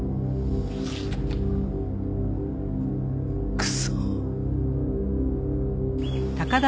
クソ。